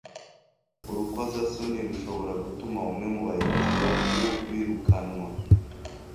Urukozasoni rushobora gutuma bamwe mu bayobozi bakuru birukanwa.